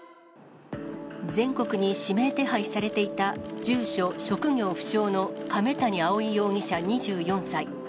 全国に指名手配されていた、住所職業不詳の亀谷蒼容疑者２４歳。